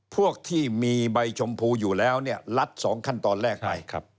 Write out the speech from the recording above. พวกที่มีใบชมพูอยู่แล้วลัด๒ขั้นตอนแรกไป